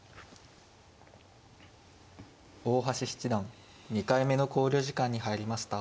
大橋七段２回目の考慮時間に入りました。